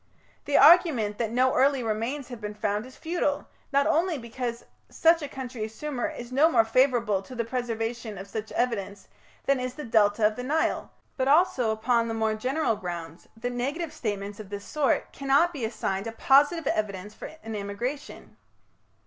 The argument that no early remains have been found is futile, not only because such a country as Sumer is no more favourable to the preservation of such evidence than is the Delta of the Nile, but also upon the more general grounds that negative statements of this sort cannot be assigned a positive evidence for an immigration."